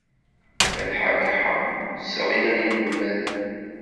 Malḥa Baḥa ur tesseɣyal inelmaden.